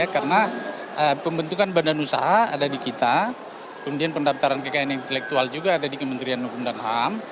karena pembentukan badan usaha ada di kita kemudian pendaftaran kkn intelektual juga ada di kementerian hukum dan ham